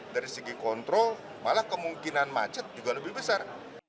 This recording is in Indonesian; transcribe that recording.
dari segi kontrol malah kemungkinan macet juga lebih besar